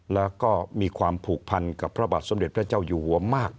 แล้วก็มีความผูกพันกับพระบาทสมเด็จพระเจ้าอยู่หัวมาก